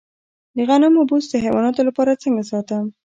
د غنمو بوس د حیواناتو لپاره څنګه ساتم؟